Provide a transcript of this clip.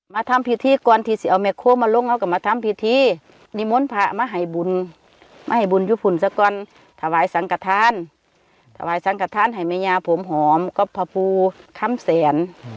มาทำพิธีก่อนที่เอาแม่โค้งมาลงเอากันมาทำพิธีนี่ม้วนผักมาให้บุญ